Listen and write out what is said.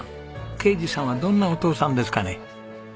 啓二さんはどんなお父さんですかね？